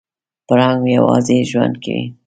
پړانګ یوازې ژوند کوي.